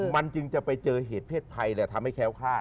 มันจึงจะไปเจอเหตุเพศภัยทำให้แค้วคลาด